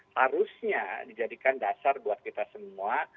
harusnya dijadikan dasar buat kita semua